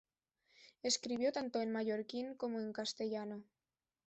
Escribió tanto en mallorquín como en castellano.